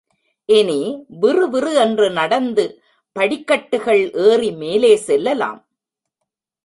இனி விறு விறு என்று நடந்து படிக்கட்டுகள் ஏறி மேலே செல்லலாம்.